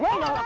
wah ga berapa